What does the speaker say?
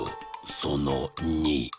その２。